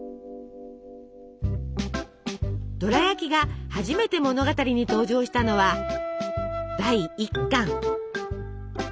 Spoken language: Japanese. ドラやきが初めて物語に登場したのは第１巻。